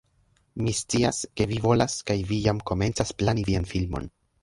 Mi scias, ke vi volas kaj vi jam komencas plani vian filmon